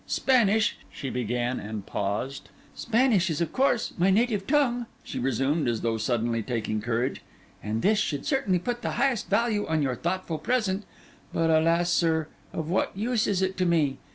Spanish,' she began, and paused—'Spanish is, of course, my native tongue,' she resumed, as though suddenly taking courage; 'and this should certainly put the highest value on your thoughtful present; but alas, sir, of what use is it to me?